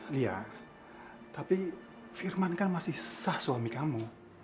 lihat tapi firman kan masih sah suami kamu